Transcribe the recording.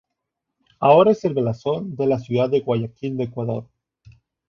Ahora es el blasón de la ciudad de Guayaquil de Ecuador.